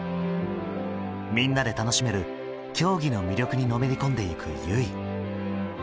みんなで楽しめる競技の魅力にのめり込んでいく結衣。